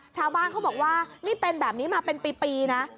ชาวบ้านเขาบอกว่านี่เป็นแบบนี้มาเป็นปีนะ